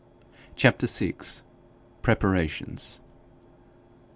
CHAPTER VI. PREPARATIONS.